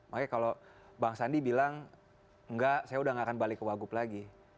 makanya kalau bang sandi bilang enggak saya udah gak akan balik ke wagub lagi